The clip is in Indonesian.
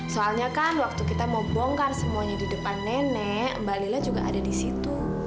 soalnya kan waktu kita mau bongkar semuanya di depan nenek mbak lila juga ada di situ